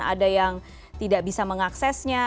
ada yang tidak bisa mengaksesnya